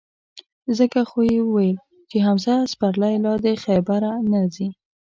ځکه خو یې ویل چې: حمزه سپرلی لا د خیبره نه ځي.